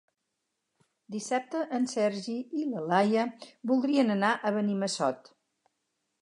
Dissabte en Sergi i na Laia voldrien anar a Benimassot.